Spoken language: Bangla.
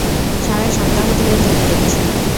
সারা সপ্তাহ ধরে তোকে দেখছি।